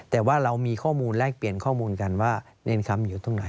แต่ว่าเรามีข้อมูลแลกเปลี่ยนข้อมูลกันว่าเนรคำอยู่ตรงไหน